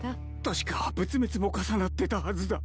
確か仏滅も重なってたはずだ。